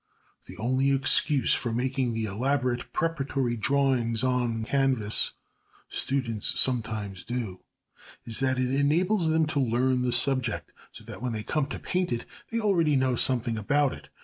The only excuse for making the elaborate preparatory drawings on canvas students sometimes do, is that it enables them to learn the subject, so that when they come to paint it, they already know something about it.